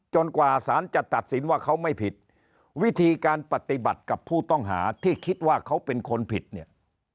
กว่าสารจะตัดสินว่าเขาไม่ผิดวิธีการปฏิบัติกับผู้ต้องหาที่คิดว่าเขาเป็นคนผิดเนี่ย